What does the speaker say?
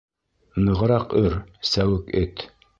Нығыраҡ өр, сәүек эт!